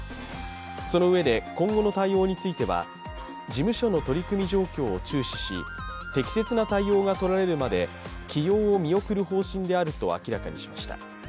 そのうえで今後の対応については事務所の取り組み状況を注視し適切な対応がとられるまで起用を見送る方針であると明らかにしました。